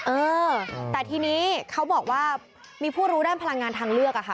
เออแต่ทีนี้เขาบอกว่ามีผู้รู้ด้านพลังงานทางเลือกอะค่ะ